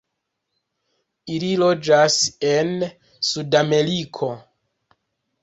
Ili loĝas en Sudameriko.